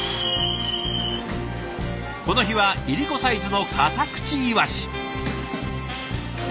この日はいりこサイズのカタクチイワシ。